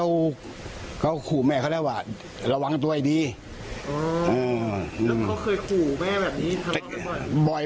อ๋อแล้วเขาเคยขู่แม่แบบนี้ทะเลาะไม่บ่อย